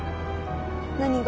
何が？